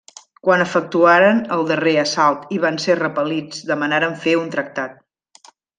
Quan efectuaren el darrer assalt i van ser repel·lits, demanaren fer un tractat.